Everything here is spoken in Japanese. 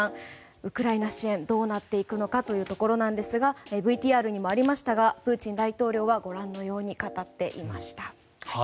ウクライナ支援どうなっていくかというところなんですがＶＴＲにもありましたがプーチン大統領はご覧のように語っていました。